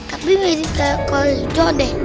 tapi berisik kayak kolor hijau deh